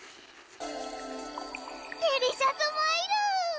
デリシャスマイル！